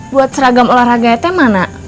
buat seragam olahraga itu mana